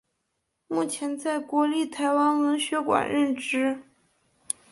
目前在国立台湾文学馆任职。